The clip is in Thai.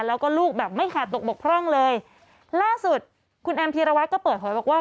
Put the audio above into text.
แล้วก็ลูกแบบไม่ขาดตกบกพร่องเลยล่าสุดคุณแอมพีรวัตรก็เปิดเผยบอกว่า